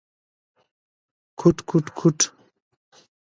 کوټ، کوټ ، کوټ ….